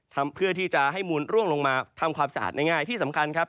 ทำเพื่อที่จะให้มูลร่วงลงมาทำความสะอาดง่ายที่สำคัญครับ